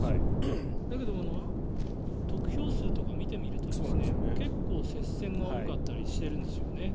だけど得票数とか見てみると結構、接戦が多かったりしてるんですよね。